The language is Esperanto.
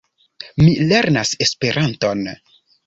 Mi lernas Esperanton.